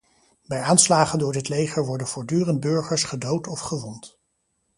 Bij aanslagen door dit leger worden voortdurend burgers gedood of gewond.